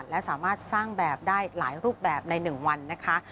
และสามารถสร้างแบบได้หลายรูปแบบใน๑วันนะคะ